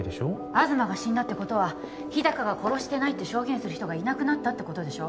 東が死んだってことは日高が殺してないって証言する人がいなくなったってことでしょ